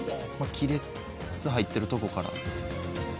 亀裂入ってるとこから。